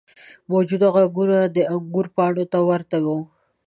موجود غوږونه د انګور پاڼو ته ورته وو.